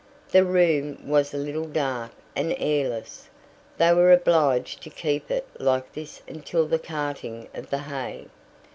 The room was a little dark and airless; they were obliged to keep it like this until the carting of the hay.